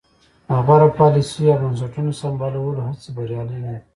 د غوره پالیسیو او بنسټونو سمبالولو هڅې بریالۍ نه دي.